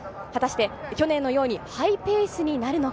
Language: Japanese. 果たして、去年のようにハイペースになるのか。